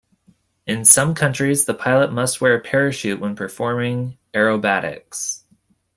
In some countries, the pilot must wear a parachute when performing aerobatics.